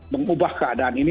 mengubah keadaan ini